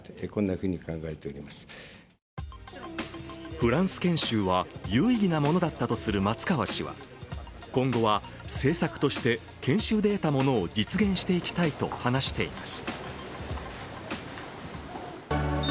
フランス研修は有意義なものだったとする松川氏は今後は、政策として研修で得たものを実現していきたいと話しています。